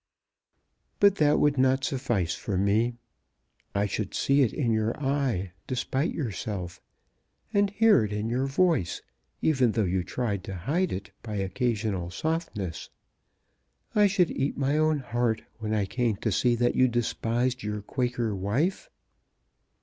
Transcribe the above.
But that would not suffice for me. I should see it in your eye, despite yourself, and hear it in your voice, even though you tried to hide it by occasional softness. I should eat my own heart when I came to see that you despised your Quaker wife."